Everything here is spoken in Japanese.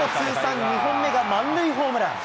プロ通算２本目が満塁ホームラン。